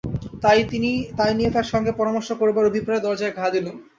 তাই নিয়ে তাঁর সঙ্গে পরামর্শ করবার অভিপ্রায়ে দরজায় ঘা দিলুম।